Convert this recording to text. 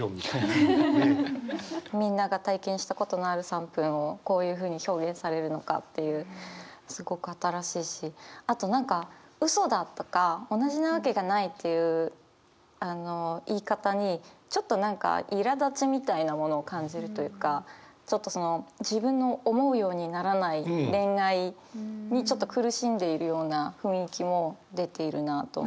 すごい。をこういうふうに表現されるのかっていうすごく新しいしあと何か「嘘だ」とか「同じなわけがない」っていう言い方にちょっと何かいらだちみたいなものを感じるというかちょっとその自分の思うようにならない恋愛にちょっと苦しんでいるような雰囲気も出ているなと思います。